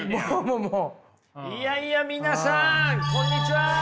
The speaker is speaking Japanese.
いやいや皆さんこんにちは。